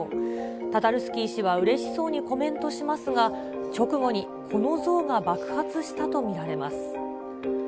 タタルスキー氏はうれしそうにコメントしますが、直後に、この像が爆発したと見られます。